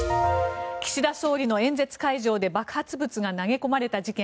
岸田総理の演説会場で爆発物が投げ込まれた事件。